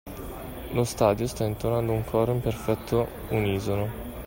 Lo stadio sta intonando un coro in perfetto unisono.